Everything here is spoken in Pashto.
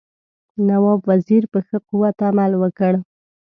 نواب وزیر په ښه قوت عمل وکړ.